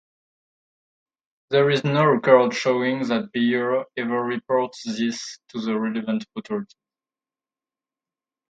There is no record showing that Bayer ever reported this to the relevant authorities.